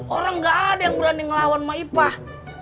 orang gak ada yang berani ngelawan sama ipah